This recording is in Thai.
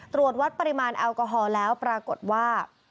ตรวจวัดปริมาณแอลกอฮอล์แล้วปรากฏว่า